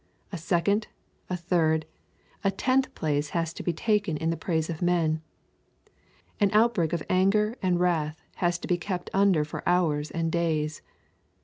A second, a third, a tenth place has to be taken in the praise of men. An outbreak of anger and wrath has to be kept under for hours and days.